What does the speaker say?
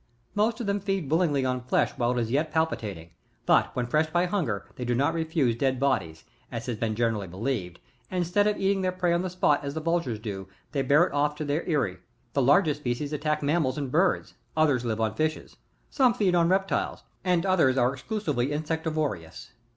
29. Most of them feed wUlingly on fleshy while it is yet palpi tating; but when pressed by hunger, they do not refuse dead bodies, as it has been generally believed, and instead of eating their prey on the spot as the vultures do, they bear it off to their eyry ; the largest species attack mammals and birds, others live dn fishes, some feed on reptiles, and others are exclusively in ' sectivorous.